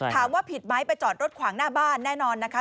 ถามว่าผิดไหมไปจอดรถขวางหน้าบ้านแน่นอนนะคะ